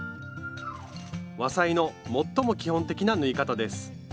和裁の最も基本的な縫い方です。